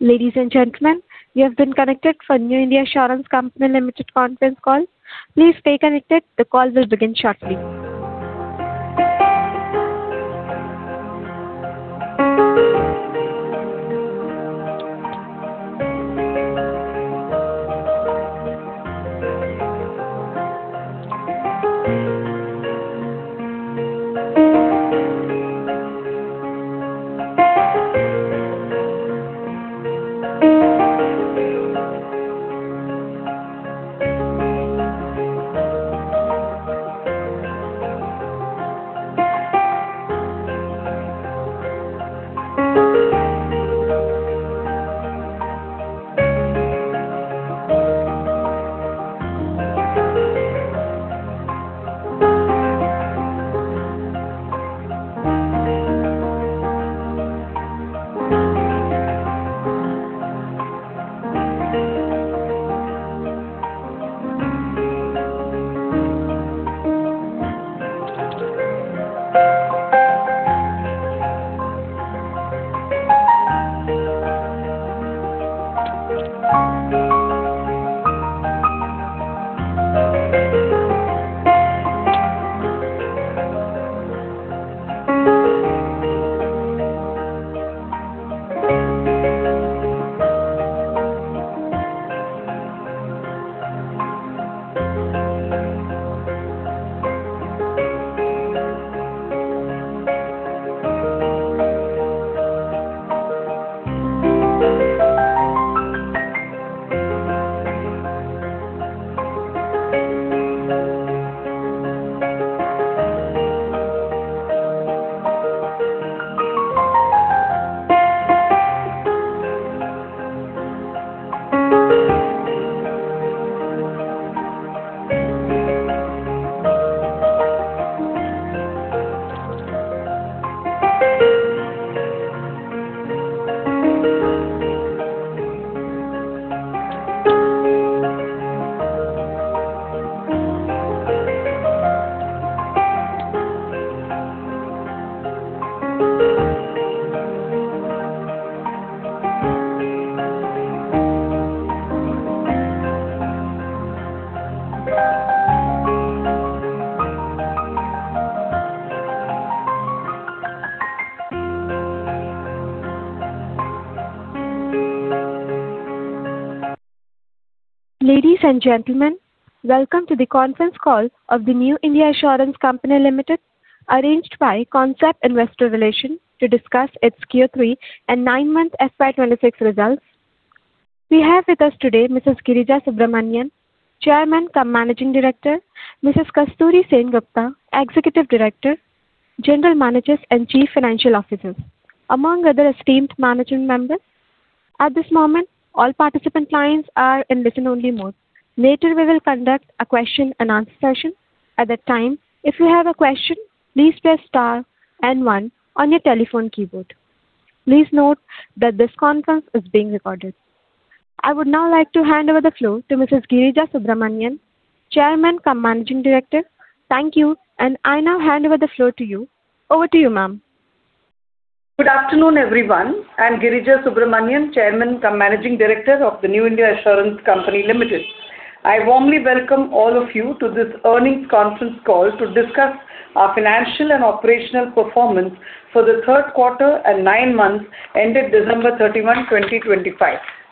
Ladies and gentlemen, you have been connected for The New India Assurance Company Limited conference call. Please stay connected. The call will begin shortly. Ladies and gentlemen, welcome to the conference call of The New India Assurance Company Limited, arranged by Concept Investor Relations to discuss its Q3 and nine-month FY 26 results. We have with us today, Mrs. Girija Subramanian, Chairman cum Managing Director, Mrs. Kasturi Sengupta, Executive Director, General Managers, and Chief Financial Officers, among other esteemed management members. At this moment, all participant lines are in listen-only mode. Later, we will conduct a question-and-answer session. At that time, if you have a question, please press star and one on your telephone keyboard. Please note that this conference is being recorded. I would now like to hand over the floor to Mrs. Girija Subramanian, Chairman cum Managing Director. Thank you, and I now hand over the floor to you. Over to you, ma'am. Good afternoon, everyone. I'm Girija Subramanian, Chairman cum Managing Director of The New India Assurance Company Limited. I warmly welcome all of you to this earnings conference call to discuss our financial and operational performance for the third quarter and 9 months ended December 31, 2025.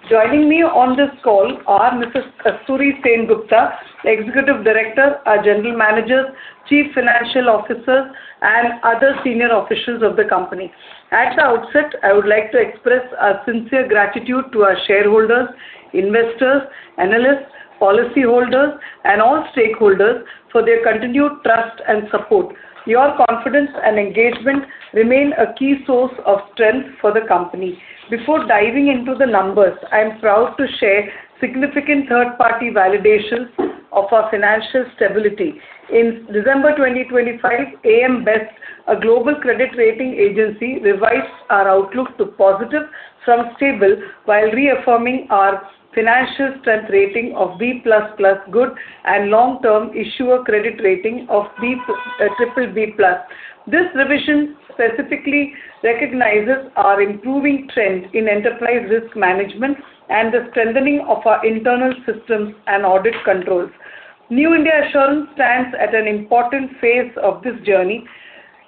Joining me on this call are Mrs. Kasturi Sengupta, Executive Director, our General Managers, Chief Financial Officer, and other senior officials of the company. At the outset, I would like to express our sincere gratitude to our shareholders, investors, analysts, policyholders, and all stakeholders for their continued trust and support. Your confidence and engagement remain a key source of strength for the company. Before diving into the numbers, I'm proud to share significant third-party validations of our financial stability. In December 2025, AM Best, a global credit rating agency, revised our outlook to positive from stable, while reaffirming our financial strength rating of B++ (Good) and long-term issuer credit rating of bbb+. This revision specifically recognizes our improving trend in enterprise risk management and the strengthening of our internal systems and audit controls. New India Assurance stands at an important phase of this journey,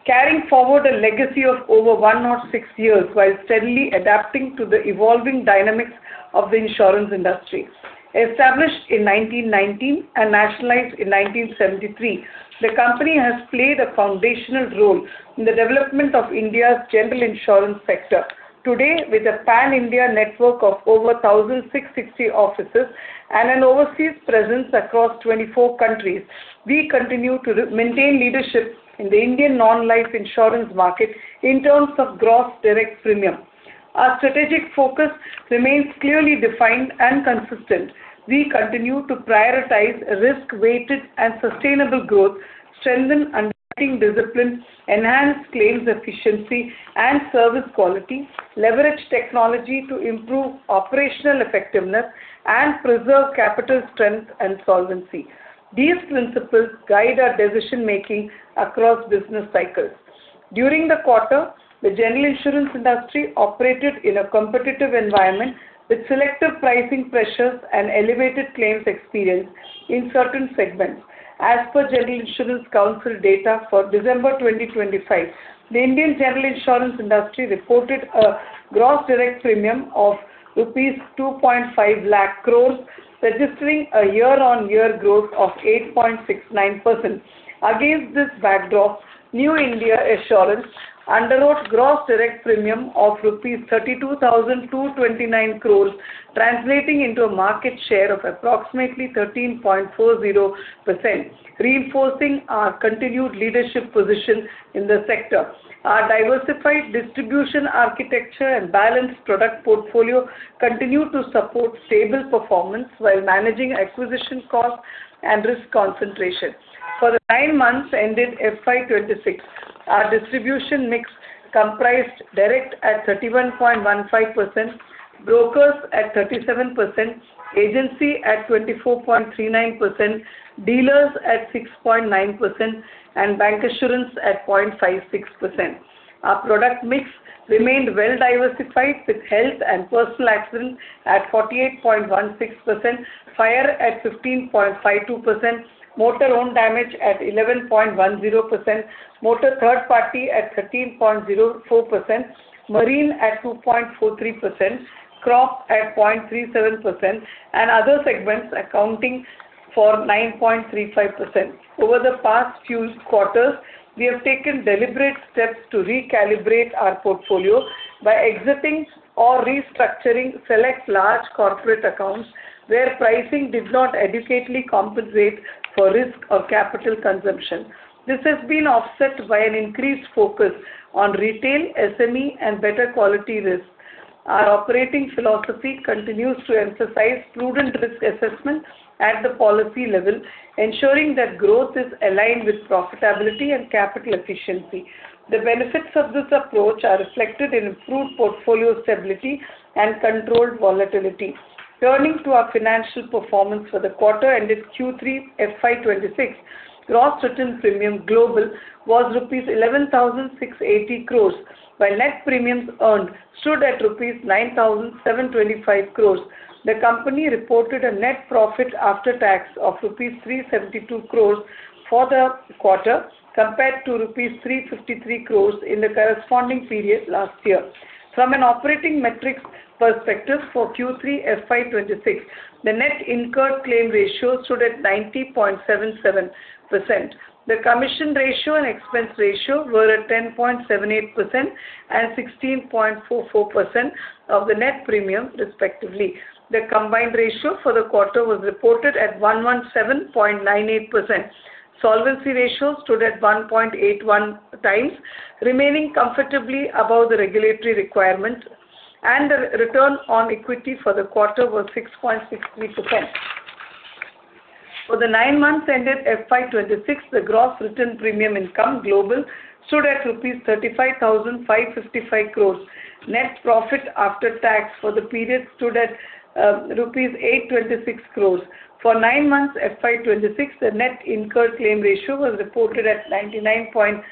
carrying forward a legacy of over 106 years, while steadily adapting to the evolving dynamics of the insurance industry. Established in 1919 and nationalized in 1973, the company has played a foundational role in the development of India's general insurance sector. Today, with a pan-India network of over 1,660 offices and an overseas presence across 24 countries, we continue to maintain leadership in the Indian non-life insurance market in terms of gross direct premium. Our strategic focus remains clearly defined and consistent. We continue to prioritize risk-weighted and sustainable growth, strengthen underwriting discipline, enhance claims efficiency and service quality, leverage technology to improve operational effectiveness, and preserve capital strength and solvency. These principles guide our decision-making across business cycles. During the quarter, the general insurance industry operated in a competitive environment with selective pricing pressures and elevated claims experience in certain segments. As per General Insurance Council data for December 2025, the Indian general insurance industry reported a gross direct premium of rupees 250,000 crore, registering a year-on-year growth of 8.69%. Against this backdrop, New India Assurance underwrote gross direct premium of rupees 32,229 crore, translating into a market share of approximately 13.40%, reinforcing our continued leadership position in the sector. Our diversified distribution architecture and balanced product portfolio continue to support stable performance, while managing acquisition costs and risk concentration. For the 9 months ended FY 2026, our distribution mix comprised direct at 31.15%, brokers at 37%, agency at 24.39%, dealers at 6.9%, and bancassurance at 0.56%. Our product mix remained well-diversified, with health and personal accident at 48.16%, fire at 15.52%, motor own damage at 11.10%, motor third party at 13.04%, marine at 2.43%, crop at 0.37%, and other segments accounting for 9.35%. Over the past few quarters, we have taken deliberate steps to recalibrate our portfolio by exiting or restructuring select large corporate accounts, where pricing did not adequately compensate for risk or capital consumption. This has been offset by an increased focus on retail, SME, and better-quality risk. Our operating philosophy continues to emphasize prudent risk assessment at the policy level, ensuring that growth is aligned with profitability and capital efficiency. The benefits of this approach are reflected in improved portfolio stability and controlled volatility. Turning to our financial performance for the quarter ended Q3 FY26, gross written premium global was rupees 11,680 crores, while net premiums earned stood at rupees 9,725 crores. The company reported a net profit after tax of rupees 372 crores for the quarter, compared to rupees 353 crores in the corresponding period last year. From an operating metrics perspective for Q3 FY26, the net incurred claim ratio stood at 90.77%. The commission ratio and expense ratio were at 10.78% and 16.44% of the net premium, respectively. The combined ratio for the quarter was reported at 117.98%. Solvency ratio stood at 1.81 times, remaining comfortably above the regulatory requirement, and the return on equity for the quarter was 6.62%. For the 9 months ended FY 2026, the gross written premium income global stood at rupees 35,555 crore. Net profit after tax for the period stood at rupees 826 crore. For 9 months FY 2026, the net incurred claim ratio was reported at 99.63%,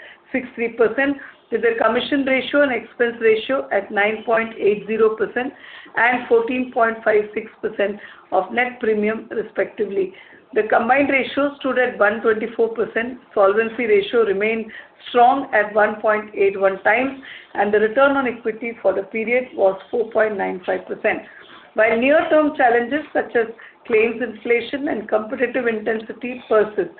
with a commission ratio and expense ratio at 9.80% and 14.56% of net premium, respectively. The combined ratio stood at 124%. Solvency ratio remained strong at 1.81 times, and the return on equity for the period was 4.95%. While near-term challenges, such as claims inflation and competitive intensity persist,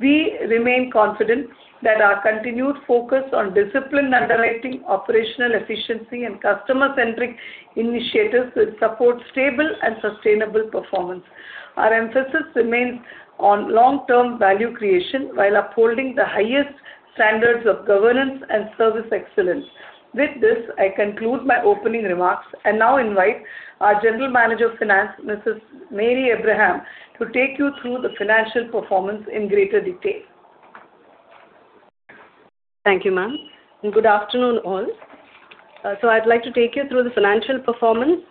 we remain confident that our continued focus on disciplined underwriting, operational efficiency, and customer-centric initiatives will support stable and sustainable performance. Our emphasis remains on long-term value creation, while upholding the highest standards of governance and service excellence. With this, I conclude my opening remarks and now invite our General Manager of Finance, Mrs. Mary Abraham, to take you through the financial performance in greater detail. Thank you, ma'am, and good afternoon, all. So, I'd like to take you through the financial performance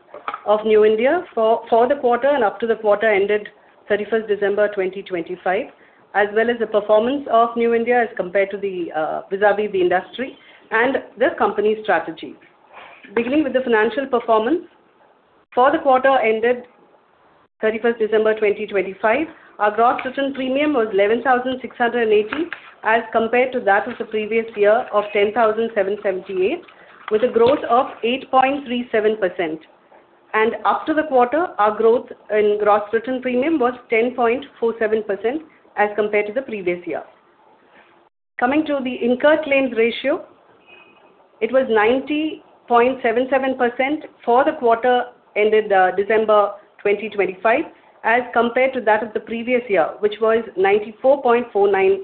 of New India for the quarter and up to the quarter ended thirty-first December 2025, as well as the performance of New India as compared to the vis-à-vis the industry, and the company's strategy. Beginning with the financial performance, for the quarter ended 31 December 2025, our gross written premium was 11,680, as compared to that of the previous year of 10,778, with a growth of 8.37%. Up to the quarter, our growth in gross written premium was 10.47% as compared to the previous year. Coming to the incurred claims ratio, it was 90.77% for the quarter ended December 2025, as compared to that of the previous year, which was 94.49%.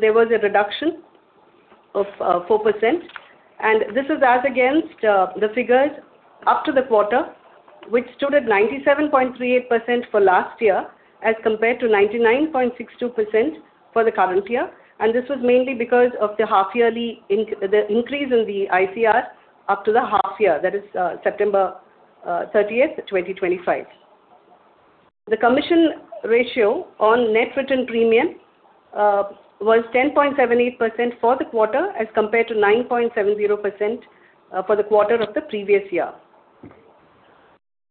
There was a reduction of 4%, and this is as against the figures up to the quarter, which stood at 97.38% for last year, as compared to 99.62% for the current year. This was mainly because of the half yearly increase in the ICR up to the half year, that is, September 30, 2025. The commission ratio on net written premium was 10.78% for the quarter as compared to 9.70% for the quarter of the previous year.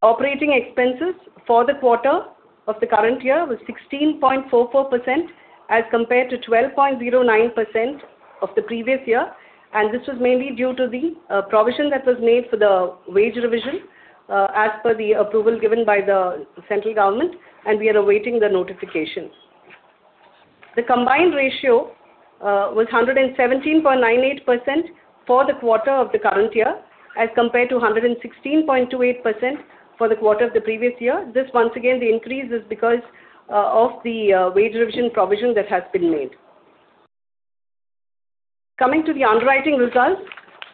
Operating expenses for the quarter of the current year was 16.44% as compared to 12.09% of the previous year, and this was mainly due to the provision that was made for the wage revision as per the approval given by the central government, and we are awaiting the notification. The combined ratio was 117.98% for the quarter of the current year, as compared to 116.28% for the quarter of the previous year. This, once again, the increase is because of the wage revision provision that has been made. Coming to the underwriting results,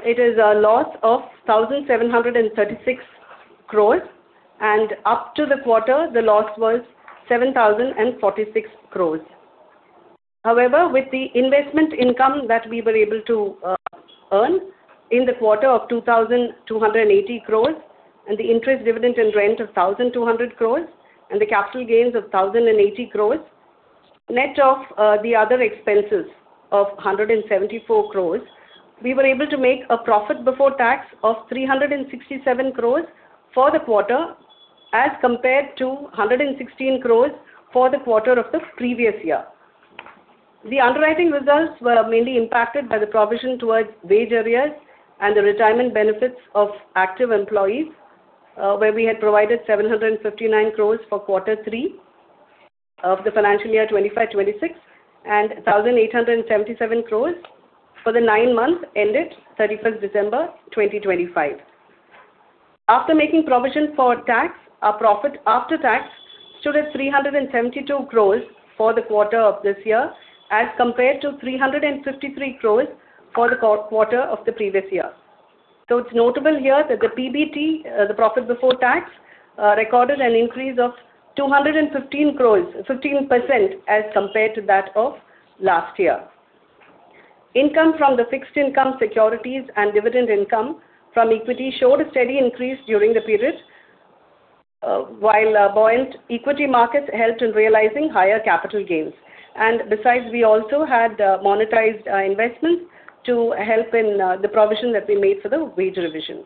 it is a loss of 1,736 crore, and up to the quarter, the loss was 7,046 crore. However, with the investment income that we were able to earn in the quarter of 2,280 crore, and the interest, dividend and rent of 1,200 crore, and the capital gains of 1,080 crore, net of the other expenses of 174 crore, we were able to make a profit before tax of 367 crore for the quarter, as compared to 116 crore for the quarter of the previous year. The underwriting results were mainly impacted by the provision towards wage arrears and the retirement benefits of active employees, where we had provided 759 crore for quarter three of the financial year 2025-26, and 1,877 crore for the 9 months ended 31 December 2025. After making provision for tax, our profit after tax stood at 372 crore for the quarter of this year, as compared to 353 crore for the quarter of the previous year. It's notable here that the PBT, the profit before tax, recorded an increase of 215 crore—15% as compared to that of last year. Income from the fixed income securities and dividend income from equity showed a steady increase during the period, while a buoyant equity market helped in realizing higher capital gains. Besides, we also had monetized investments to help in the provision that we made for the wage revision.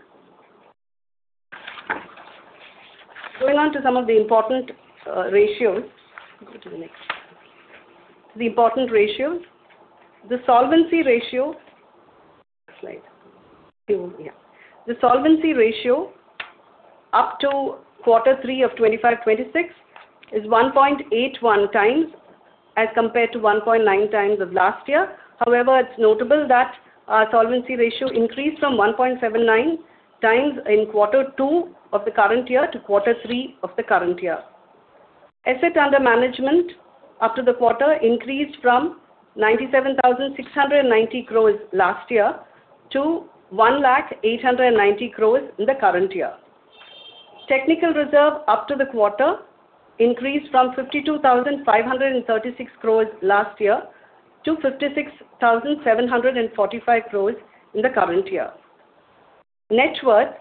Going on to some of the important ratios. Go to the next. The important ratios. The solvency ratio. Next slide. Yeah. The solvency ratio up to Quarter Three of 2025, 2026 is 1.81 times, as compared to 1.9 times of last year. However, it's notable that our solvency ratio increased from 1.79 times in Quarter Two of the current year to Quarter Three of the current year. Assets under management up to the quarter increased from 97,690 crores last year to 100,890 crores in the current year. Technical reserve up to the quarter increased from 52,536 crores last year to 56,745 crores in the current year. Net worth,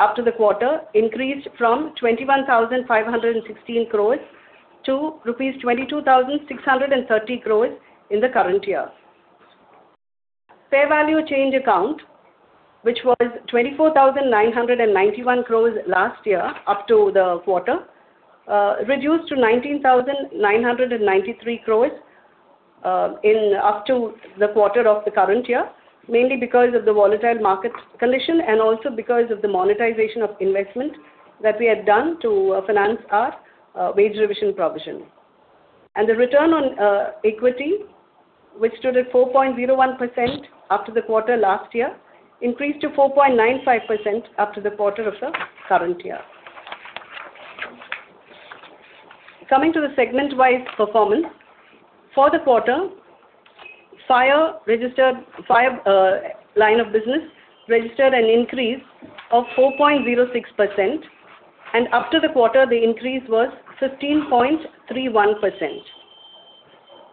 up to the quarter, increased from 21,516 crores to rupees 22,630 crores in the current year. Fair Value Change Account, which was 24,991 crore last year up to the quarter, reduced to 19,993 crore in up to the quarter of the current year. Mainly because of the volatile market condition, and also because of the monetization of investment that we had done to finance our wage revision provision. The return on equity, which stood at 4.01% up to the quarter last year, increased to 4.95% up to the quarter of the current year. Coming to the segment-wide performance. For the quarter, fire line of business registered an increase of 4.06%, and up to the quarter, the increase was 15.31%.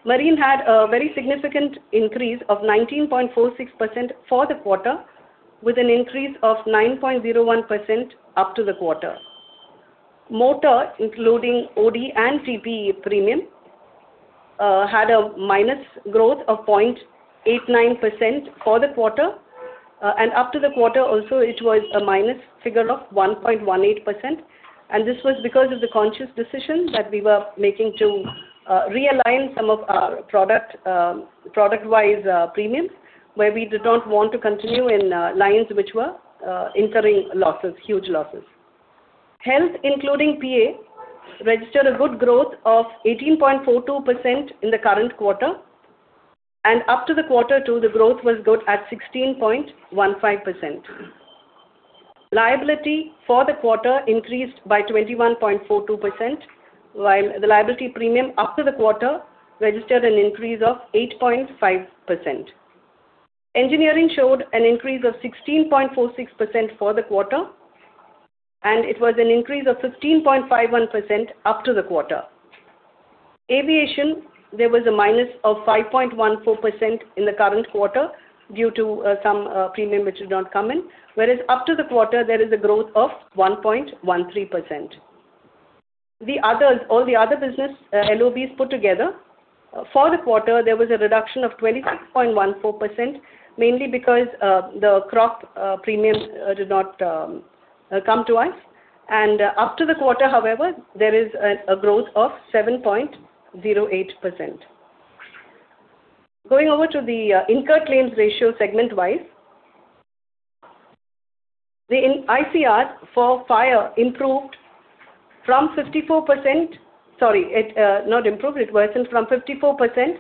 Marine had a very significant increase of 19.46% for the quarter, with an increase of 9.01% up to the quarter. Motor, including OD and TP premium, had a minus growth of 0.89% for the quarter, and up to the quarter also, it was a minus figure of 1.18%, and this was because of the conscious decision that we were making to realign some of our product, product-wise, premiums, where we did not want to continue in lines which were incurring losses, huge losses. Health, including PA, registered a good growth of 18.42% in the current quarter, and up to the quarter, too, the growth was good at 16.15%. Liability for the quarter increased by 21.42%, while the liability premium after the quarter registered an increase of 8.5%. Engineering showed an increase of 16.46% for the quarter, and it was an increase of 15.51% up to the quarter. Aviation, there was a -5.14% in the current quarter due to some premium which did not come in. Whereas up to the quarter, there is a growth of 1.13%. All the other business LOBs put together, for the quarter, there was a reduction of 26.14%, mainly because the crop premium did not come to us. Up to the quarter, however, there is a growth of 7.08%. Going over to the incurred claims ratio segment-wise. The ICR for fire improved from 54%—Sorry, it not improved, it worsened from 54%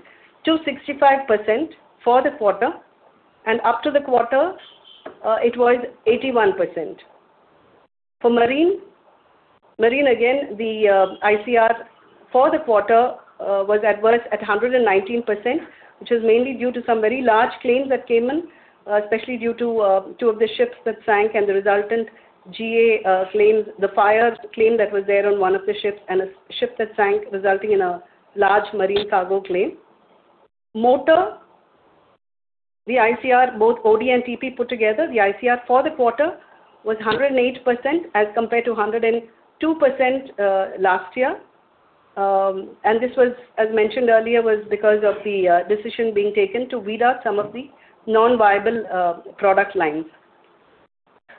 to 65% for the quarter, and up to the quarter, it was 81%. For marine, again, the ICR for the quarter was adverse at 119%, which is mainly due to some very large claims that came in, especially due to two of the ships that sank and the resultant GA claims, the fire claim that was there on one of the ships, and a ship that sank, resulting in a large marine cargo claim. Motor, the ICR, both OD and TP put together, the ICR for the quarter was 108%, as compared to 102% last year. And this was, as mentioned earlier, was because of the decision being taken to weed out some of the non-viable product lines.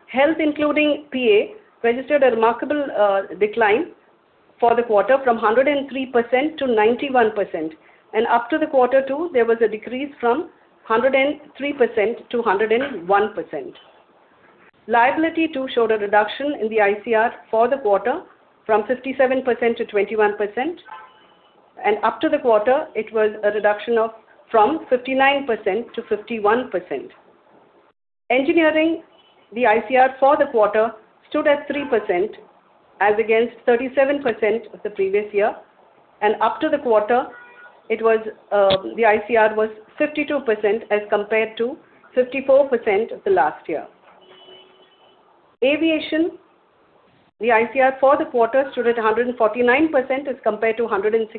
Health, including PA, registered a remarkable decline for the quarter from 103% to 91%, and up to the quarter, too, there was a decrease from 103% to 101%. Liability, too, showed a reduction in the ICR for the quarter, from 57% to 21%, and up to the quarter, it was a reduction of from 59% to 51%. Engineering, the ICR for the quarter stood at 3%, as against 37% of the previous year, and up to the quarter, it was the ICR was 52%, as compared to 54% of the last year. Aviation, the ICR for the quarter stood at 149%, as compared to 106%.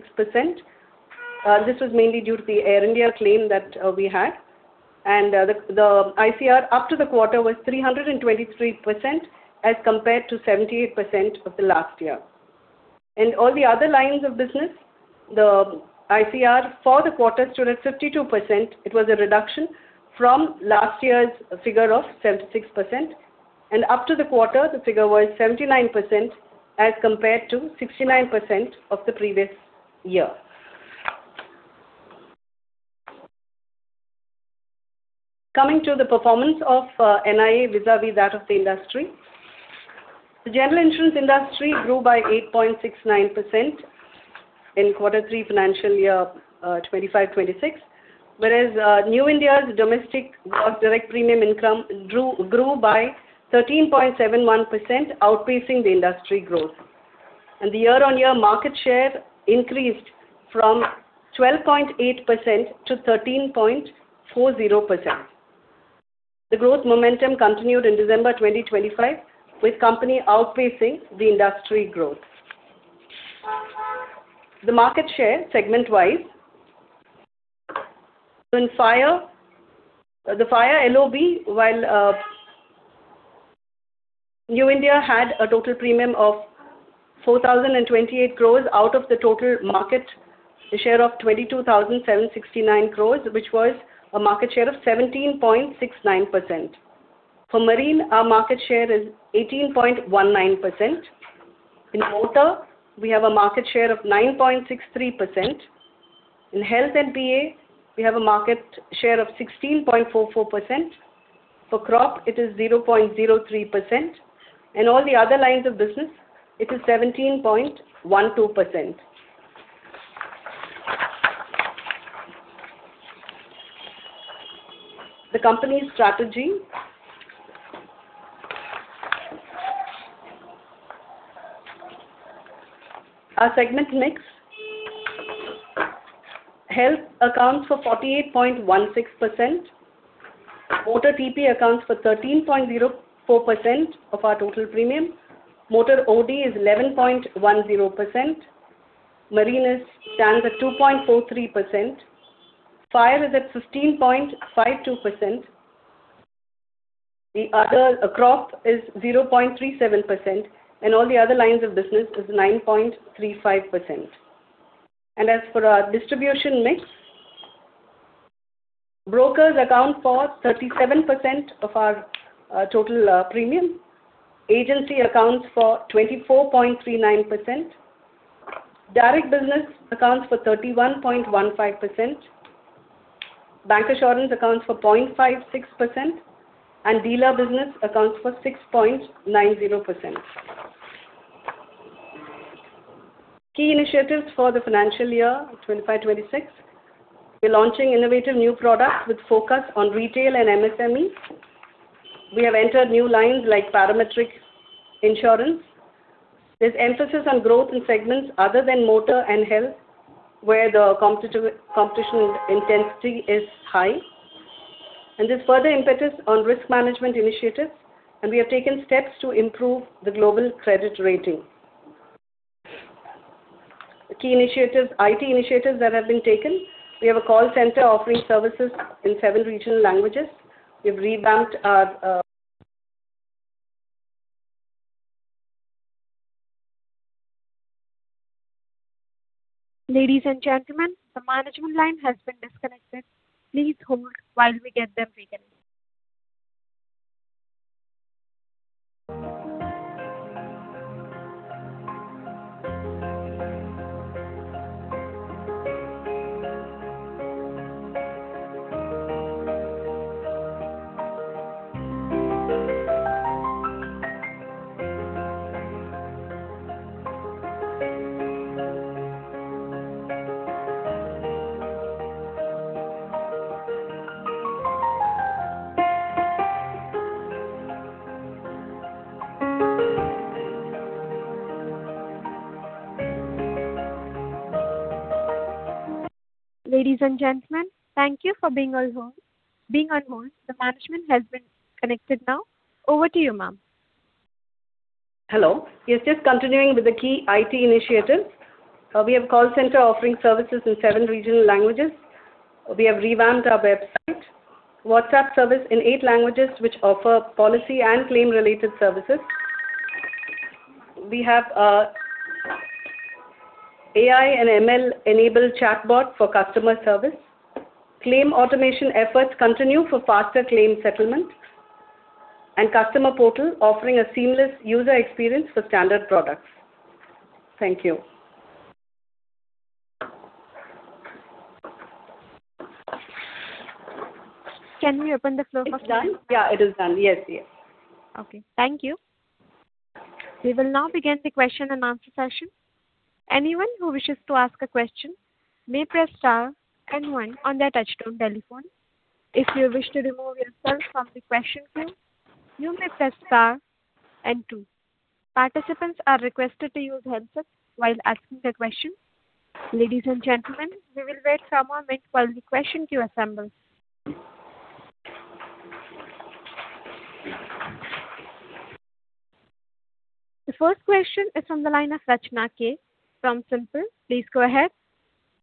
This was mainly due to the Air India claim that we had, and the ICR up to the quarter was 323%, as compared to 78% of the last year. In all the other lines of business, the ICR for the quarter stood at 52%. It was a reduction from last year's figure of 76%, and up to the quarter, the figure was 79%, as compared to 69% of the previous year. Coming to the performance of NIA vis-à-vis that of the industry. The general insurance industry grew by 8.69% in quarter three financial year 2025-2026. Whereas New India's domestic gross direct premium income grew by 13.71%, outpacing the industry growth. The year-on-year market share increased from 12.8% to 13.40%. The growth momentum continued in December 2025, with company outpacing the industry growth. The market share segment-wise. In fire, the fire LOB, while New India had a total premium of 4,028 crore out of the total market share of 22,769 crore, which was a market share of 17.69%. For marine, our market share is 18.19%. In motor, we have a market share of 9.63%. In health and PA, we have a market share of 16.44%. For crop, it is 0.03%, and all the other lines of business, it is 17.12%. The company's strategy. Our segment mix, health accounts for 48.16%. Motor TP accounts for 13.04% of our total premium. Motor OD is 11.10%. Marine is stands at 2.43%. Fire is at 15.52%. The other, crop is 0.37%, and all the other lines of business is 9.35%. And as for our distribution mix, brokers account for 37% of our total premium. Agency accounts for 24.39%. Direct business accounts for 31.15%. Bancassurance accounts for 0.56%, and dealer business accounts for 6.90%. Key initiatives for the financial year 2025, 2026. We're launching innovative new products with focus on retail and MSMEs. We have entered new lines like parametric insurance. There's emphasis on growth in segments other than motor and health, where the competition intensity is high. This further impetus on risk management initiatives, and we have taken steps to improve the global credit rating. Key initiatives, IT initiatives that have been taken, we have a call center offering services in seven regional languages. We've revamped our. Ladies and gentlemen, the management line has been disconnected. Please hold while we get them reconnected. Ladies and gentlemen, thank you for being on hold. The management has been connected now. Over to you, ma'am. Hello. Yes, just continuing with the key IT initiatives. We have call center offering services in seven regional languages. We have revamped our website. WhatsApp service in eight languages, which offer policy and claim related services. We have AI and ML enabled chatbot for customer service. Claim automation efforts continue for faster claim settlements, and customer portal offering a seamless user experience for standard products. Thank you. Can we open the floor for- It's done? Yeah, it is done. Yes, yes. Okay. Thank you. We will now begin the question and answer session. Anyone who wishes to ask a question may press star and one on their touchtone telephone. If you wish to remove yourself from the question queue, you may press star and two. Participants are requested to use handsets while asking their question. Ladies and gentlemen, we will wait for a moment while the question queue assembles. The first question is from the line of Rachna K. from Simple. Please go ahead.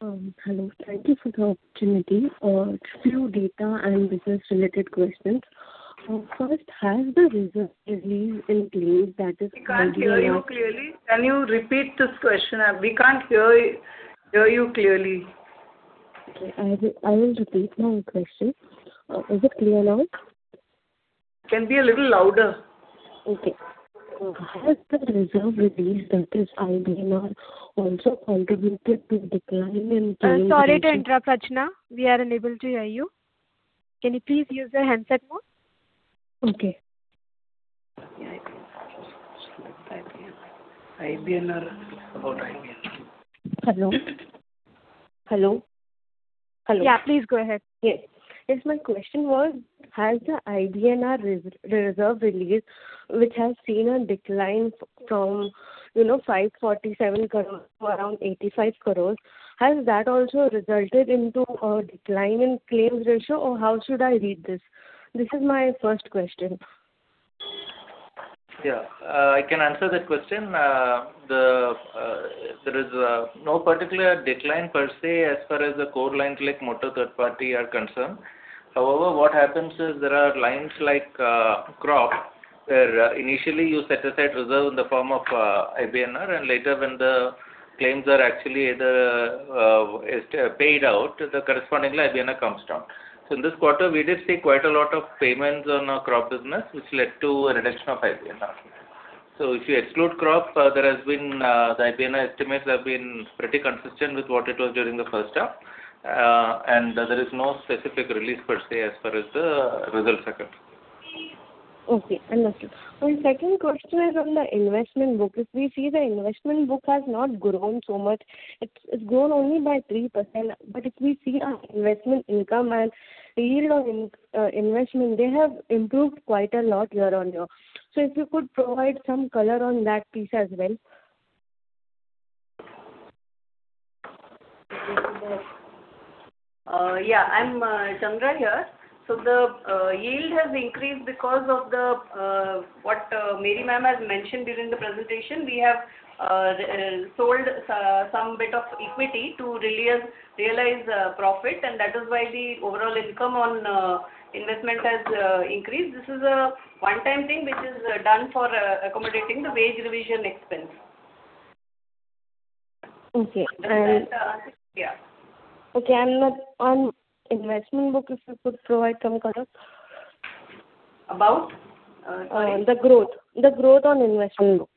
Hello. Thank you for the opportunity. Two data and business related questions. First, has the reserve release in claim that is- We can't hear you clearly. Can you repeat this question? We can't hear you clearly. Okay. I will, I will repeat my question. Is it clear now? Can be a little louder. Okay. Has the reserve release that is IBNR also contributed to decline in claim- Sorry to interrupt, Rachna. We are unable to hear you. Can you please use a handset mode? Okay. IBNR. About IBNR. Hello? Hello. Hello. Yeah, please go ahead. Yes. Yes, my question was, has the IBNR reserve release, which has seen a decline from, you know, 547 crore-around 85 crore, has that also resulted into a decline in claims ratio, or how should I read this? This is my first question. Yeah, I can answer that question. There is no particular decline per se, as far as the core lines like motor third party are concerned. However, what happens is there are lines like crop, where initially you set aside reserve in the form of IBNR, and later when the claims are actually either is paid out, the corresponding IBNR comes down. So, in this quarter, we did cede quite a lot of payments on our crop business, which led to a reduction of IBNR. So, if you exclude crop, there has been the IBNR estimates have been pretty consistent with what it was during the first half. And there is no specific release per se, as far as the results are concerned. Okay, understood. My second question is on the investment book. If we cede the investment book has not grown so much, it's grown only by 3%. But if we cede our investment income and yield on investment, they have improved quite a lot year-on-year. So if you could provide some color on that piece as well. Yeah, I'm Chandra here. So, the yield has increased because of what Mary ma'am has mentioned during the presentation. We have sold some bit of equity to realize profit, and that is why the overall income on investment has increased. This is a one-time thing which is done for accommodating the wage revision expense. Okay, and- Yeah. Okay, and on investment book, if you could provide some color? About? Uh... The growth, the growth on investment book.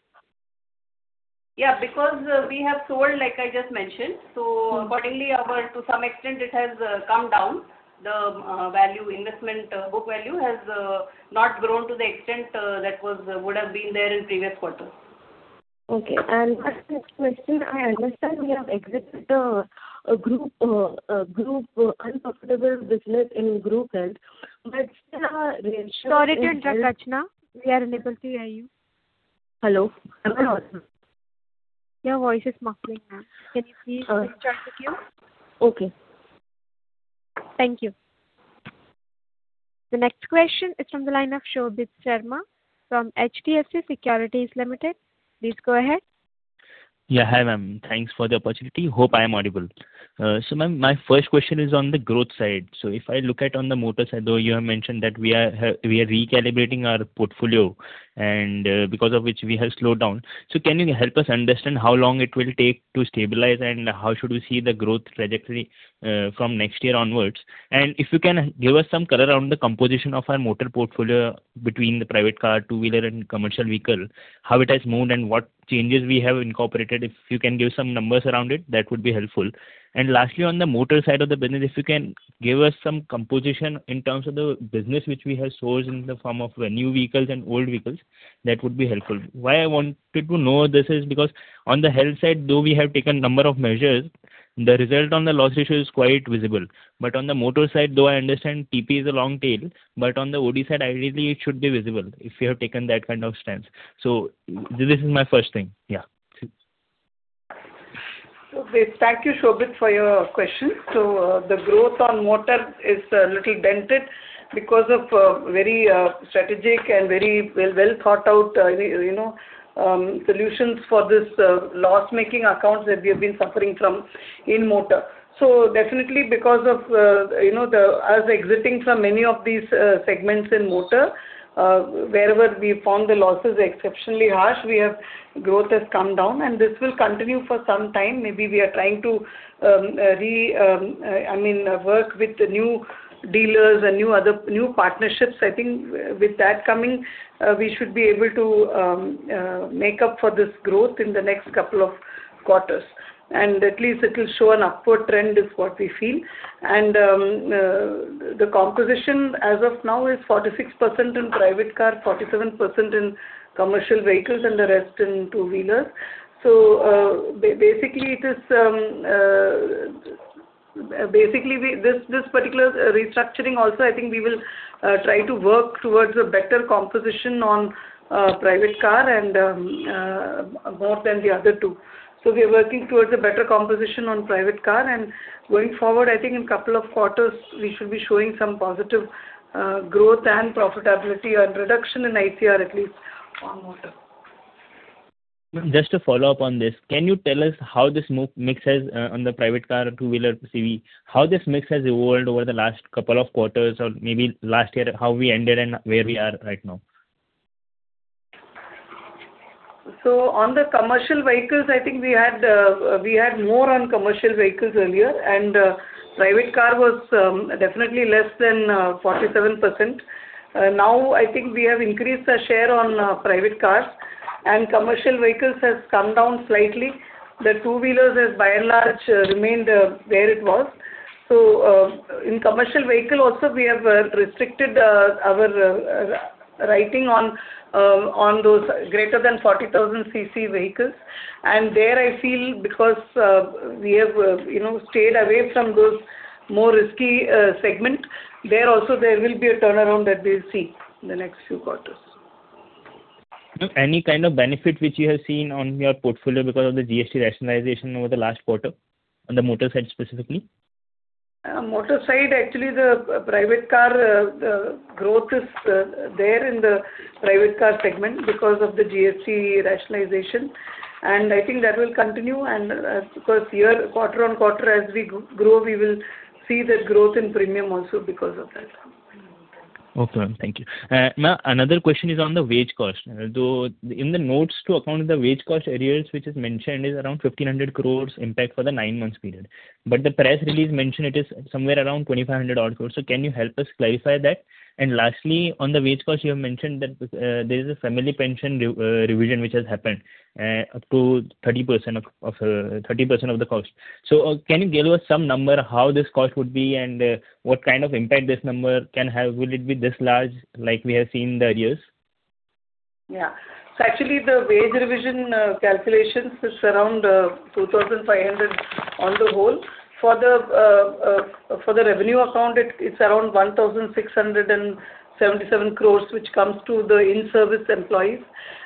Yeah, because we have sold, like I just mentioned. So accordingly, to some extent, it has come down. The investment book value has not grown to the extent that would have been there in previous quarters. Okay. My next question, I understand we have exited a group uncomfortable business in group health. But, the insurance- Sorry to interrupt, Rachna. We are unable to hear you. Hello? Hello, hello. Your voice is muffling, ma'am. Can you please join the queue? Okay. Thank you. The next question is from the line of Shobhit Sharma from HDFC Securities Limited. Please go ahead. Yeah. Hi, ma'am. Thanks for the opportunity. Hope I am audible. So, ma'am, my first question is on the growth side. So, if I look at on the motor side, though, you have mentioned that we are, we are recalibrating our portfolio, and because of which we have slowed down. So, can you help us understand how long it will take to stabilize, and how should we see the growth trajectory, from next year onwards? And if you can give us some color on the composition of our motor portfolio between the private car, two-wheeler, and commercial vehicle, how it has moved and what changes we have incorporated. If you can give some numbers around it, that would be helpful. Lastly, on the motor side of the business, if you can give us some composition in terms of the business which we have sourced in the form of new vehicles and old vehicles, that would be helpful. Why I wanted to know this is because on the health side, though we have taken a number of measures, the result on the loss ratio is quite visible. But on the motor side, though I understand TP is a long tail, but on the OD side, ideally, it should be visible if you have taken that kind of stance. This is my first thing. Yeah. So, thank you, Shobhit, for your question. So, the growth on motor is a little dented because of, very strategic and very well, well thought out, you know, solutions for this loss-making accounts that we have been suffering from in motor. So, definitely because of, you know, as exiting from many of these segments in motor, wherever we found the losses exceptionally harsh, we have growth has come down, and this will continue for some time. Maybe we are trying to, I mean, work with the new dealers and new other, new partnerships. I think with that coming, we should be able to, make up for this growth in the next couple of quarters, and at least it will show an upward trend, is what we feel. The composition as of now is 46% in private car, 47% in commercial vehicles, and the rest in two-wheelers. So, basically, it is... Basically, we, this, this particular restructuring also, I think we will try to work towards a better composition on private car and more than the other two. So, we are working towards a better composition on private car, and going forward, I think in a couple of quarters, we should be showing some positive growth and profitability and reduction in ICR, at least, on motor. Just to follow up on this, can you tell us how this mix has, on the private car, two-wheeler, CV, how this mix has evolved over the last couple of quarters or maybe last year, how we ended and where we are right now? So, on the commercial vehicles, I think we had, we had more on commercial vehicles earlier, and private car was definitely less than 47%. Now, I think we have increased our share on private cars, and commercial vehicles has come down slightly. The two-wheelers has, by and large, remained where it was. So, in commercial vehicle also, we have restricted our writing on those greater than 40,000 cc vehicles. And there, I feel because we have, you know, stayed away from those more risky segment, there also there will be a turnaround that we'll see in the next few quarters. Ma'am, any kind of benefit which you have seen on your portfolio because of the GST rationalization over the last quarter, on the motor side, specifically? Motor side, actually, the private car growth is there in the private car segment because of the GST rationalization, and I think that will continue and because year-over-year, quarter-on-quarter, as we grow, we will see the growth in premium also because of that. Okay, ma'am. Thank you. Ma'am, another question is on the wage cost. Though in the notes to account, the wage cost arrears, which is mentioned, is around 1,500 crore impact for the 9 months period. But the press release mentioned it is somewhere around 2,500 odd crore. So, can you help us clarify that? And lastly, on the wage cost, you have mentioned that there is a family pension revision, which has happened up to 30% of 30% of the cost. So, can you give us some number, how this cost would be, and what kind of impact this number can have? Will it be this large, like we have seen the arrears? Yeah. So, actually, the wage revision calculations is around 2,500 on the whole. For the revenue account, it's around 1,677 crores, which comes to the in-service employees,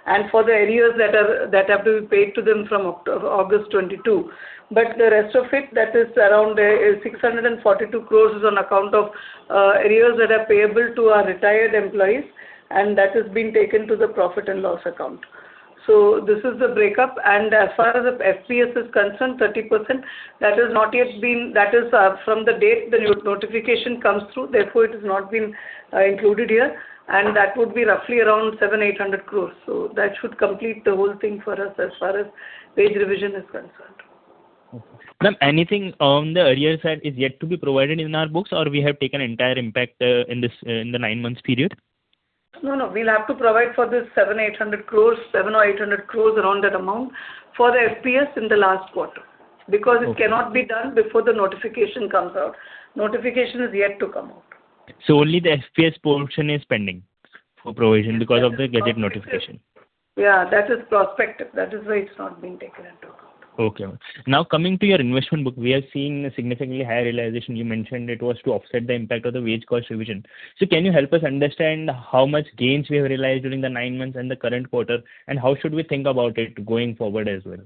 and for the arrears that have to be paid to them from October-August 2022. But the rest of it, that is around 642 crores, is on account of arrears that are payable to our retired employees, and that has been taken to the profit and loss account. So, this is the breakup. And as far as the FPS is concerned, 30% that has not yet been - that is, from the date the notification comes through, therefore, it has been included here, and that would be roughly around 700-800 crores. That should complete the whole thing for us as far as wage revision is concerned. Okay. Ma'am, anything on the arrears side is yet to be provided in our books, or we have taken entire impact in the 9 months period? No, no, we'll have to provide for this 700-800 crore, 700 or 800 crore around that amount, for the FPS in the last quarter- Okay. because it cannot be done before the notification comes out. Notification is yet to come out. So, only the FPS portion is pending for provision because of the gazette notification? Yeah, that is prospective. That is why it's not being taken into.... Okay, ma'am. Now, coming to your investment book, we are seeing a significantly higher realization. You mentioned it was to offset the impact of the wage cost revision. So, can you help us understand how much gains we have realized during the nine months and the current quarter, and how should we think about it going forward as well?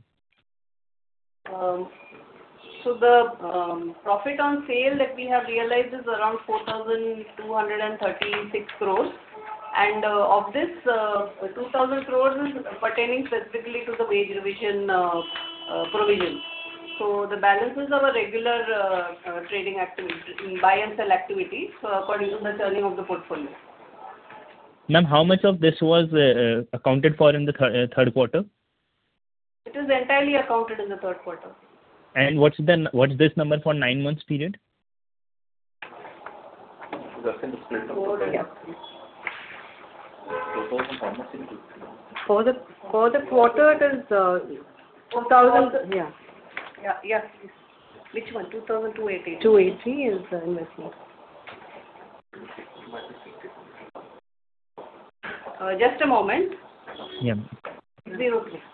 So, the profit on sale that we have realized is around 4,236 crore. And of this, 2,000 crore is pertaining specifically to the wage revision provision. So, the balance is our regular trading activity, buy and sell activity, so, according to the turning of the portfolio. Ma'am, how much of this was accounted for in the third quarter? It is entirely accounted in the third quarter. What's this number for 9 months period? That's in the split of the. Yeah. 2,000 how much? For the quarter, it is 2,000. Yeah. Yeah, yeah. Which one? 2,000 280. 280 is in this one. Just a moment. Yeah. Zero, please.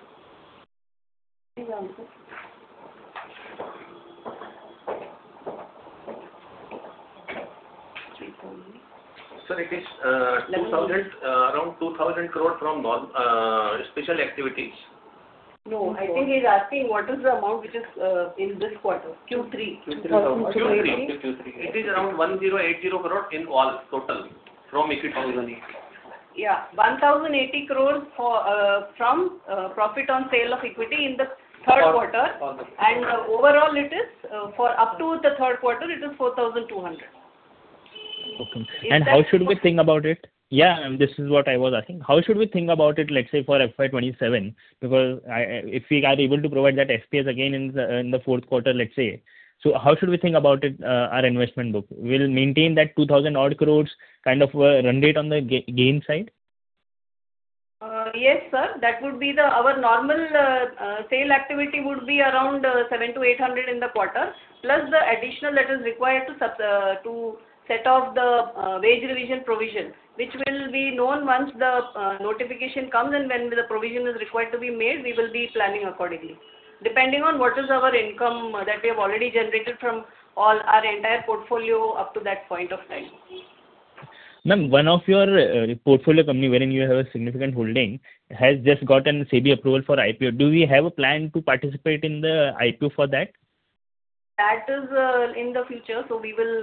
Sir, it is around 2,000 crore from non-special activities. No, I think he's asking what is the amount which is, in this quarter, Q3. Q3. It is around 1,080 crore in all, total. From make it 2,080. Yeah. 1,080 crores from profit on sale of equity in the third quarter. Quarter. Overall, it is for up to the third quarter, it is 4,200. Okay. And how should we think about it? Yeah, and this is what I was asking. How should we think about it, let's say, for FY 2027? Because I, if we are able to provide that FPS again in the, in the fourth quarter, let's say. So, how should we think about it, our investment book? We'll maintain that 2,000 odd crores kind of, run rate on the gains side? Yes, sir. That would be our normal sale activity would be around 700-800 in the quarter, plus the additional that is required to set off the wage revision provision, which will be known once the notification comes and when the provision is required to be made, we will be planning accordingly, depending on what is our income that we have already generated from all our entire portfolio up to that point of time. Ma'am, one of your portfolio company, wherein you have a significant holding, has just gotten SEBI approval for IPO. Do we have a plan to participate in the IPO for that? That is, in the future, so, we will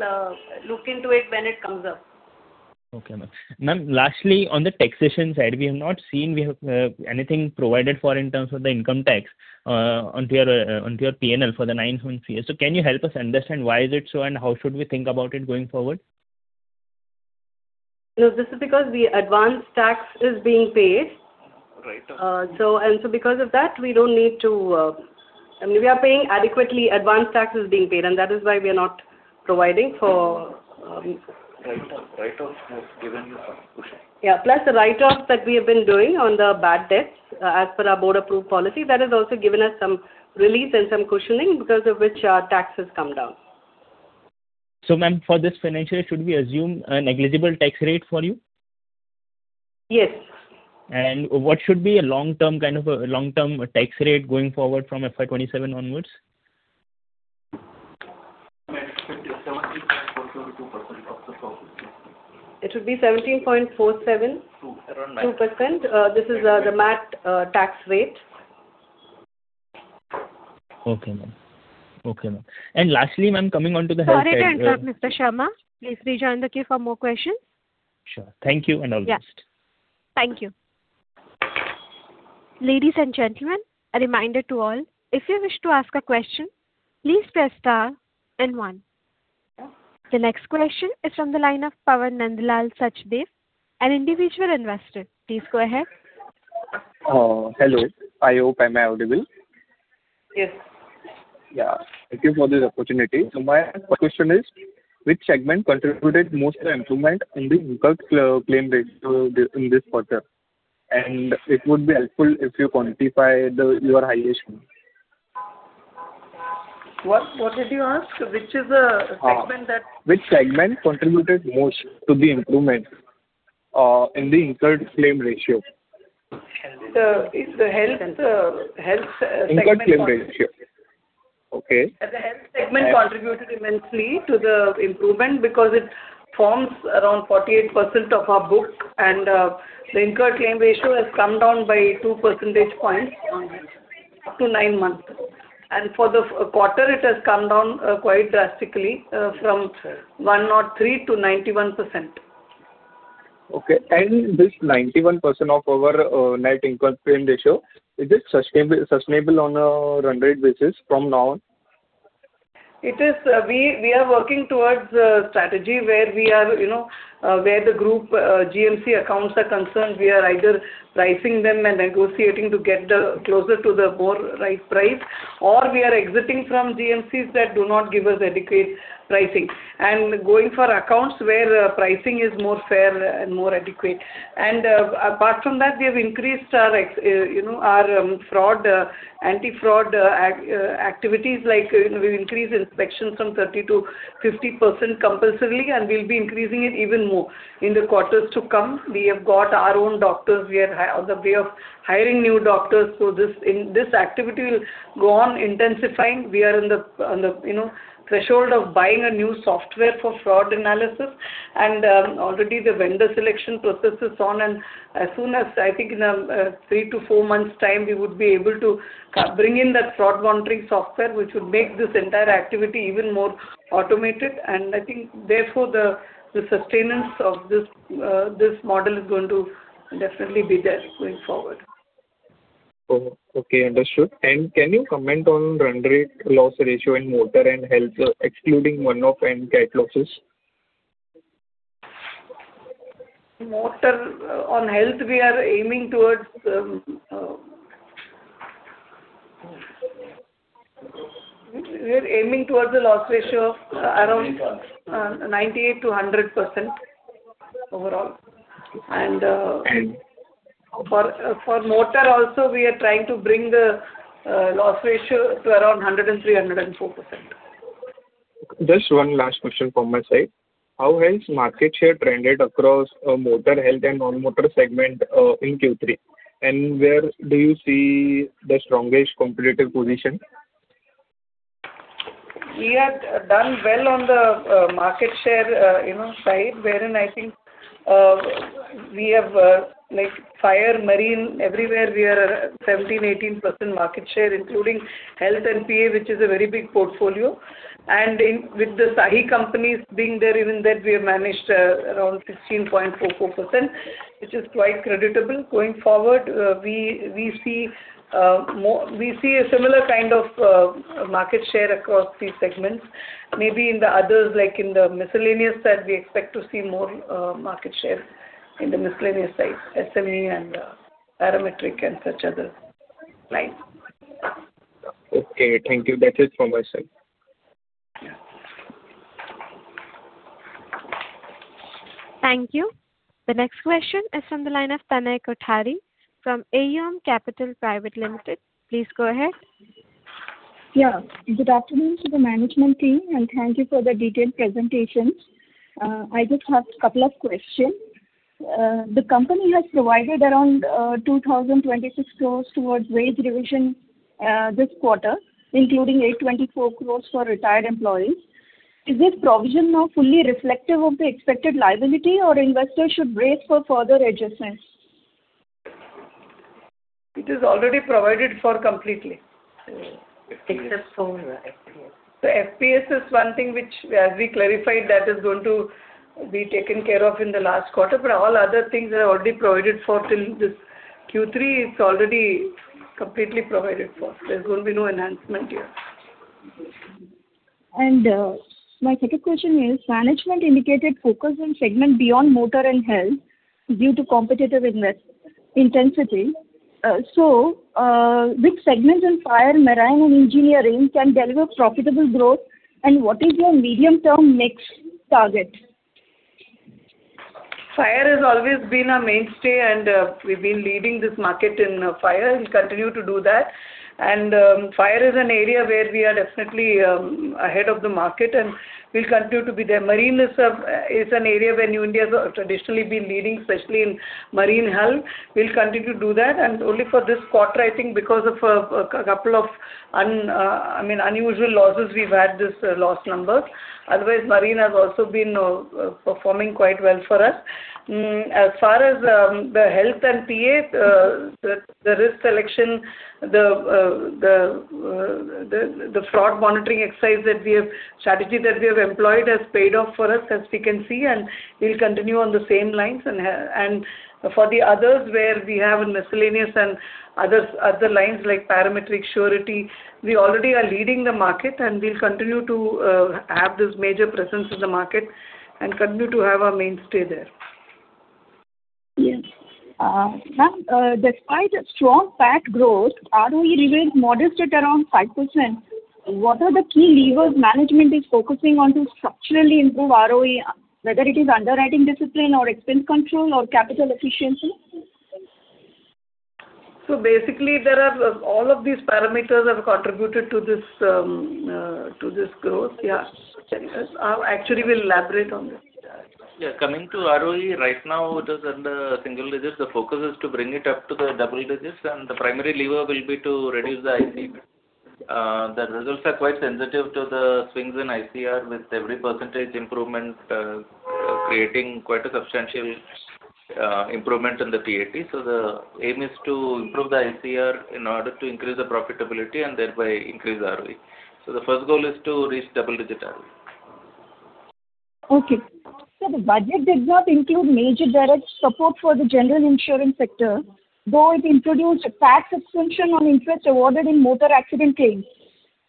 look into it when it comes up. Okay, ma'am. Ma'am, lastly, on the taxation side, we have not seen anything provided for in terms of the income tax onto your PNL for the 9 months here. So, can you help us understand why is it so, and how should we think about it going forward? No, this is because the advance tax is being paid. Right. So, because of that, we don't need to. I mean, we are paying adequately, advance tax is being paid, and that is why we are not providing for... Write-offs, write-offs has given you some cushion. Yeah, plus the write-offs that we have been doing on the bad debts, as per our board-approved policy, that has also given us some relief and some cushioning, because of which our taxes come down. Ma'am, for this financial year, should we assume a negligible tax rate for you? Yes. What should be a long-term, kind of, a long-term tax rate going forward from FY 2027 onwards? 17.472% of the profit. It would be 17.47- Two. 2%. This is the MAT tax rate. Okay, ma'am. Okay, ma'am. Lastly, ma'am, coming on to the- Sorry to interrupt, Mr. Sharma. Please rejoin the queue for more questions. Sure. Thank you and all the best. Yeah. Thank you. Ladies and gentlemen, a reminder to all, if you wish to ask a question, please press * then 1. The next question is from the line of Pawan Nandlal Sachdev, an individual investor. Please go ahead. Hello. I hope I'm audible. Yes. Yeah. Thank you for this opportunity. So, my question is: which segment contributed most to the improvement in the incurred claim ratio in this quarter? And it would be helpful if you quantify the your highest one. What did you ask? Which is the- Segment that- Which segment contributed most to the improvement in the incurred claim ratio? It's the health segment. Incurred Claim Ratio. Okay. The health segment contributed immensely to the improvement because it forms around 48% of our book, and the incurred claim ratio has come down by 2 percentage points on up to 9 months. And for the quarter, it has come down quite drastically from 103% to 91%. Okay. And this 91% of our net incurred claim ratio, is it sustainable, sustainable on a run rate basis from now on? ... It is, we are working towards a strategy where we are, you know, where the group GMC accounts are concerned, we are either pricing them and negotiating to get the closer to the more right price, or we are exiting from GMCs that do not give us adequate pricing, and going for accounts where pricing is more fair and more adequate. And, apart from that, we have increased our you know, our anti-fraud activities, like, we've increased inspections from 30%-50% compulsorily, and we'll be increasing it even more in the quarters to come. We have got our own doctors. We are on the way of hiring new doctors, so, this activity will go on intensifying. We are on the, you know, threshold of buying a new software for fraud analysis, and already the vendor selection process is on, and as soon as I think in a three to four months' time, we would be able to bring in that fraud monitoring software, which would make this entire activity even more automated. And I think therefore, the sustenance of this model is going to definitely be there going forward. Oh, okay. Understood. Can you comment on run rate loss ratio in motor and health, excluding one-off and cat losses? Motor - On health, we're aiming towards a loss ratio of around 98%-100% overall. And, And- For motor also, we are trying to bring the loss ratio to around 103%-104%. Just one last question from my side: How has market share trended across, motor health and non-motor segment, in Q3? And where do you see the strongest competitive position? We have done well on the market share, you know, side, wherein I think, we have, like, fire, marine, everywhere we are 17-18% market share, including health and PA, which is a very big portfolio. And in, with the standalone companies being there, even there we have managed around 16.44%, which is quite creditable. Going forward, we, we see a similar kind of market share across these segments. Maybe in the others, like in the miscellaneous side, we expect to see more market share in the miscellaneous side, SME and parametric and such other lines. Okay, thank you. That is from my side. Thank you. The next question is from the line of Tanya Kothari from AUM Capital Private Limited. Please go ahead. Yeah. Good afternoon to the management team, and thank you for the detailed presentations. I just have a couple of questions. The company has provided around 2,026 crore towards wage revision this quarter, including 824 crore for retired employees. Is this provision now fully reflective of the expected liability, or investors should wait for further adjustments? It is already provided for completely. Except for FPS. The FPS is one thing which, as we clarified, that is going to be taken care of in the last quarter, but all other things are already provided for till this Q3. It's already completely provided for. There's going to be no enhancement here. My second question is, management indicated focus on segments beyond motor and health due to competitive investment intensity. So, which segments in fire, marine and engineering can deliver profitable growth, and what is your medium-term next target? Fire has always been a mainstay, and we've been leading this market in fire and continue to do that. And fire is an area where we are definitely ahead of the market, and we'll continue to be there. Marine is an area where New India has traditionally been leading, especially in marine hull. We'll continue to do that, and only for this quarter, I think, because of a couple of unusual losses, we've had this loss numbers. Otherwise, marine has also been performing quite well for us. As far as the health and PA, the risk selection, the fraud monitoring exercise that we have, strategy that we have employed has paid off for us, as we can see, and we'll continue on the same lines. For the others, where we have in miscellaneous and others, other lines like parametric, surety, we already are leading the market, and we'll continue to have this major presence in the market and continue to have our mainstay there. Yes. Ma'am, despite strong PAT growth, ROE remains modest at around 5%. What are the key levers management is focusing on to structurally improve ROE, whether it is underwriting discipline or expense control or capital efficiency? So, basically, there are... All of these parameters have contributed to this, to this growth. Yeah. Actually, we'll elaborate on this. Yeah, coming to ROE, right now, it is under single digits. The focus is to bring it up to the double digits, and the primary lever will be to reduce the ICR. The results are quite sensitive to the swings in ICR, with every percentage improvement creating quite a substantial improvement in the PAT. So, the aim is to improve the ICR in order to increase the profitability and thereby increase ROE. So, the first goal is to reach double digit- ...Okay. So, the budget did not include major direct support for the general insurance sector, though it introduced a tax exemption on interest awarded in motor accident claims.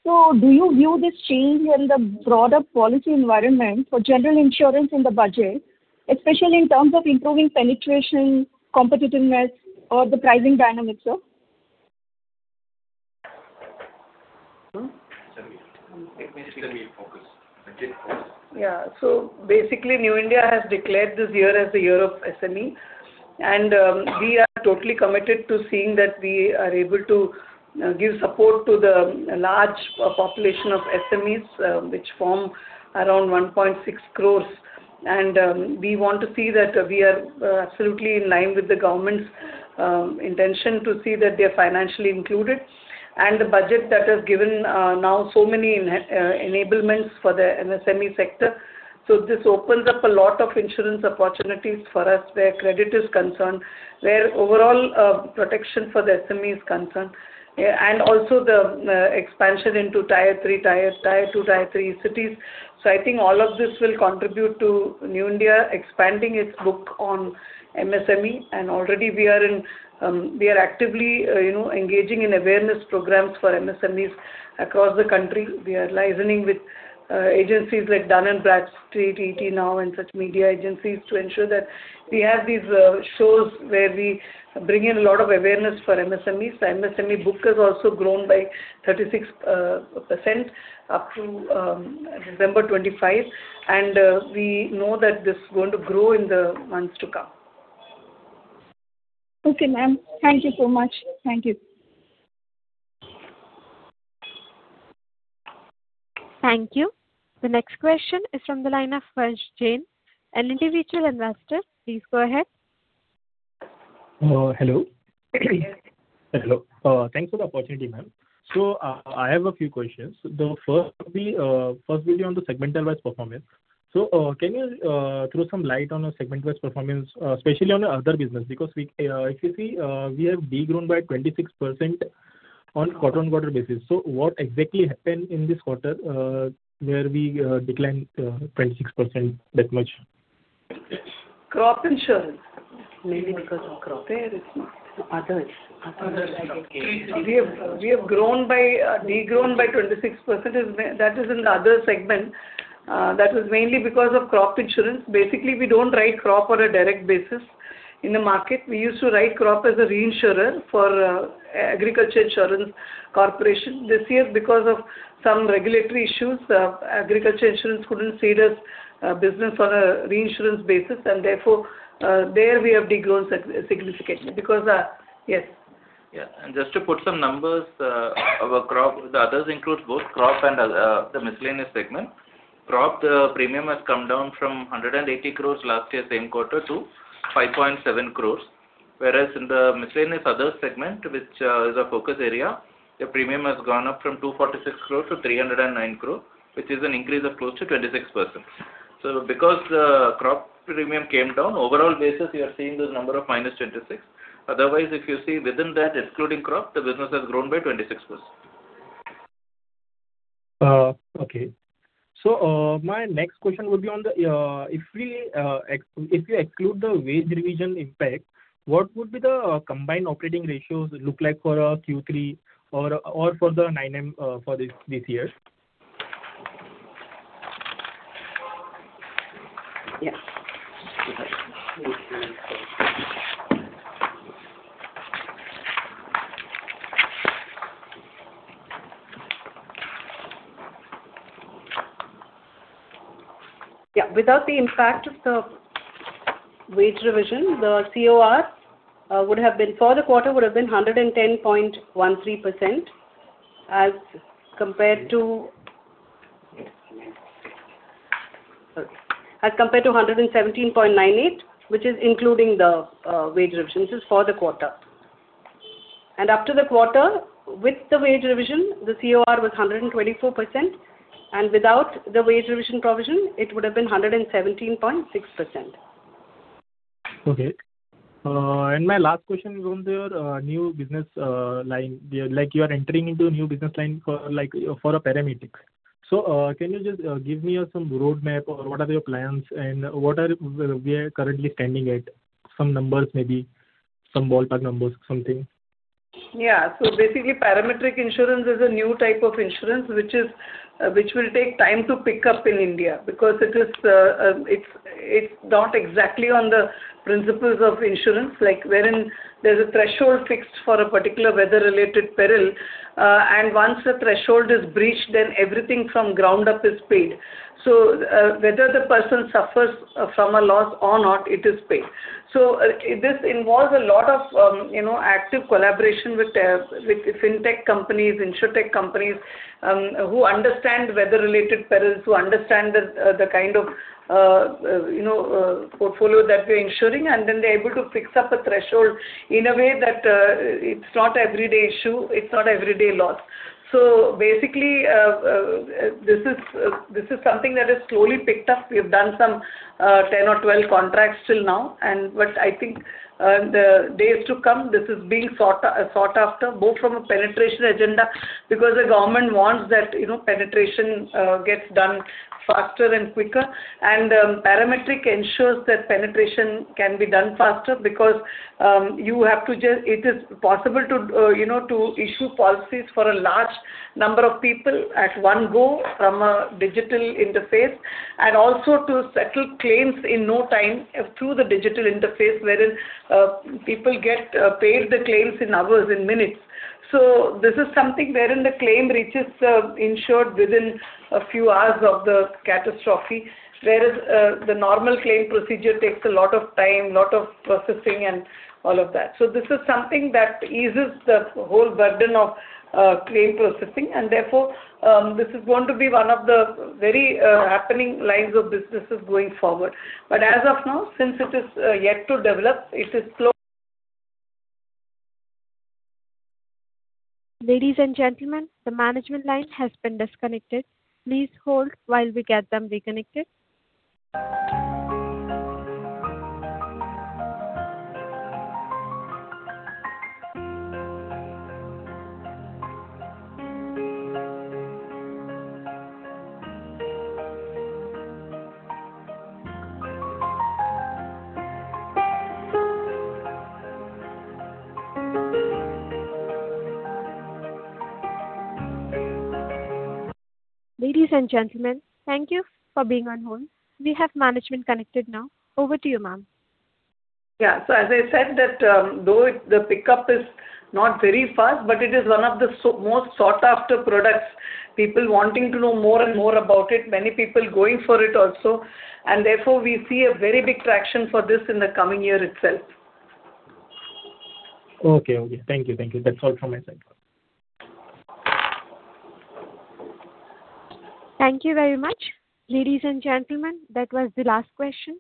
Do you view this change in the broader policy environment for general insurance in the budget, especially in terms of improving penetration, competitiveness or the pricing dynamics, sir? Let me focus. Yeah. So, basically, New India has declared this year as the year of SME, and, we are totally committed to seeing that we are able to, give support to the large population of SMEs, which form around 1.6 crores. And, we want to see that we are, absolutely in line with the government's, intention to see that they are financially included, and the budget that has given, now so many enablement for the MSME sector. So, this opens up a lot of insurance opportunities for us, where credit is concerned, where overall, protection for the SME is concerned, and also the, expansion into tier three, tier two, tier three cities. So, I think all of this will contribute to New India expanding its book on MSME. Already we are actively, you know, engaging in awareness programs for MSMEs across the country. We are liaising with agencies like Dun & Bradstreet, ET Now, and such media agencies to ensure that we have these shows where we bring in a lot of awareness for MSMEs. The MSME book has also grown by 36% up to November 25, and we know that this is going to grow in the months to come. Okay, ma'am. Thank you so much. Thank you. Thank you. The next question is from the line of Raj Jain, an individual investor. Please go ahead. Hello. Hello. Thanks for the opportunity, ma'am. So, I have a few questions. The first will be, first will be on the segmental wise performance. So, can you, throw some light on the segment wise performance, especially on the other business? Because we, if you see, we have de-grown by 26% on quarter-on-quarter basis. So, what exactly happened in this quarter, where we, declined, 26% that much? Crop insurance. Mainly because of crop. There is others. We have de-grown by 26%, that is in the other segment. That was mainly because of crop insurance. Basically, we don't write crop on a direct basis. In the market, we used to write crop as a reinsurer for Agriculture Insurance Corporation. This year, because of some regulatory issues, agriculture insurance couldn't see this business on a reinsurance basis, and therefore, there we have de-grown significantly because... Yes. Yeah, and just to put some numbers, our crop, the others include both crop and, the miscellaneous segment. Crop, the premium has come down from 180 crores last year, same quarter, to 5.7 crores, whereas in the miscellaneous other segment, which, is our focus area, the premium has gone up from 246 crore to 309 crore, which is an increase of close to 26%. So, because the crop premium came down, overall basis, you are seeing this number of -26. Otherwise, if you see within that, excluding crop, the business has grown by 26%. Okay. So, my next question would be on the, if we exclude the wage revision impact, what would be the combined operating ratios look like for Q3 or for the 9 months for this year? Yeah. Yeah, without the impact of the wage revision, the COR would have been, for the quarter would have been 110.13%, as compared to... Yes. As compared to 117.98, which is including the wage revision. This is for the quarter. And after the quarter, with the wage revision, the COR was 124%, and without the wage revision provision, it would have been 117.6%. Okay. And my last question is on your new business line. Like you are entering into a new business line for, like, for a parametric. So, can you just give me some roadmap or what are your plans and what are we currently standing at? Some numbers, maybe some ballpark numbers, something. Yeah. So basically, Parametric Insurance is a new type of insurance, which will take time to pick up in India, because it is, it's not exactly on the principles of insurance, like wherein there's a threshold fixed for a particular weather-related peril, and once the threshold is breached, then everything from ground up is paid. So, whether the person suffers from a loss or not, it is paid. So, this involves a lot of, you know, active collaboration with FinTech companies, InsurTech companies, who understand weather-related perils, who understand the kind of, you know, portfolio that we're insuring, and then they're able to fix up a threshold in a way that, it's not an everyday issue, it's not an everyday loss. So, basically, this is something that is slowly picked up. We've done 10 or 12 contracts till now, but I think, the days to come, this is being sought after, both from a penetration agenda, because the government wants that, you know, penetration gets done faster and quicker. And parametric ensures that penetration can be done faster because you have to just-- It is possible to, you know, to issue policies for a large number of people at one go from a digital interface, and also to settle claims in no time through the digital interface, wherein people get paid the claims in hours, in minutes. So, this is something wherein the claim reaches the insured within a few hours of the catastrophe, whereas the normal claim procedure takes a lot of time, lot of processing, and all of that. So, this is something that eases the whole burden of claim processing, and therefore, this is going to be one of the very happening lines of businesses going forward. But as of now, since it is yet to develop, it is slow- Ladies and gentlemen, the management line has been disconnected. Please hold while we get them reconnected. Ladies and gentlemen, thank you for being on hold. We have management connected now. Over to you, ma'am. Yeah. So, as I said, that, though it, the pickup is not very fast, but it is one of the most sought-after products. People wanting to know more and more about it, many people going for it also, and therefore we see a very big traction for this in the coming year itself. Okay, okay. Thank you, thank you. That's all from my side. Thank you very much. Ladies and gentlemen, that was the last question.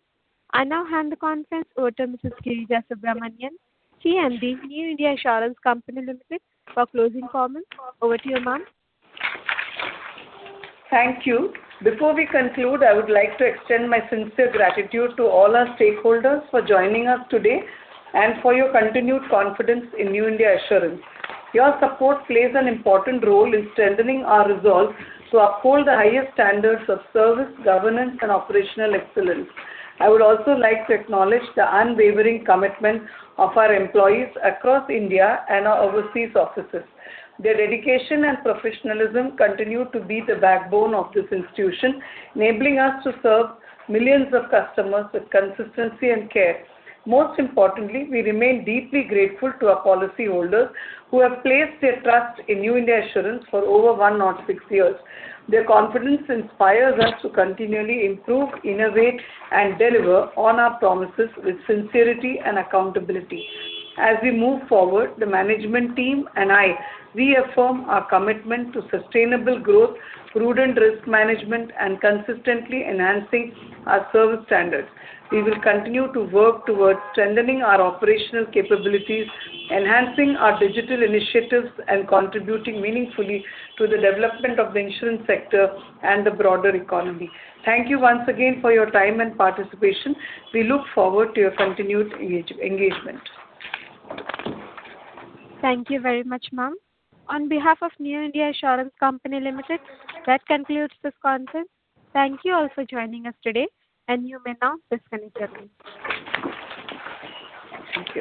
I now hand the conference over to Mrs. Girija Subramanian, CMD, New India Assurance Company Limited, for closing comments. Over to you, ma'am. Thank you. Before we conclude, I would like to extend my sincere gratitude to all our stakeholders for joining us today and for your continued confidence in New India Assurance. Your support plays an important role in strengthening our resolve to uphold the highest standards of service, governance, and operational excellence. I would also like to acknowledge the unwavering commitment of our employees across India and our overseas offices. Their dedication and professionalism continue to be the backbone of this institution, enabling us to serve millions of customers with consistency and care. Most importantly, we remain deeply grateful to our policyholders, who have placed their trust in New India Assurance for over 106 years. Their confidence inspires us to continually improve, innovate, and deliver on our promises with sincerity and accountability. As we move forward, the management team and I reaffirm our commitment to sustainable growth, prudent risk management, and consistently enhancing our service standards. We will continue to work towards strengthening our operational capabilities, enhancing our digital initiatives, and contributing meaningfully to the development of the insurance sector and the broader economy. Thank you once again for your time and participation. We look forward to your continued engagement. Thank you very much, ma'am. On behalf of New India Assurance Company Limited, that concludes this conference. Thank you all for joining us today, and you may now disconnect your line. Thank you.